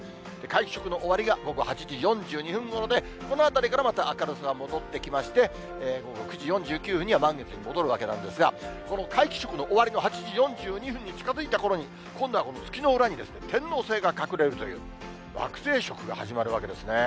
皆既食の終わりが午後８時４２分ごろで、このあたりからまた明るさが戻ってきまして、午後９時４９分には満月に戻るわけなんですが、この皆既食の終わりの８時４２分に近づいたころに、今度は月の裏に天王星が隠れるという、惑星食が始まるわけですね。